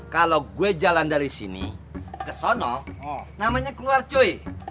kalau gue jalan dari sini ke sana namanya keluar cuy